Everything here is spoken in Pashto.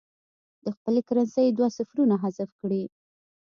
د خپلې کرنسۍ دوه صفرونه حذف کړي.